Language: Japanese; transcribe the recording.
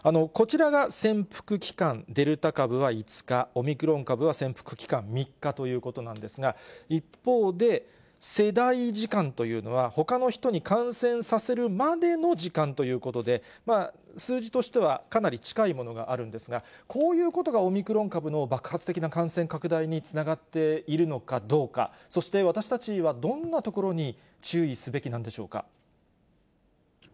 こちらが潜伏期間、デルタ株は５日、オミクロン株は潜伏期間３日ということなんですが、一方で、世代時間というのは、ほかの人に感染させるまでの時間ということで、数字としてはかなり近いものがあるんですが、こういうことがオミクロン株の爆発的な感染拡大につながっているのかどうか、そして私たちはどんなところに注意すべきなんでしょうか。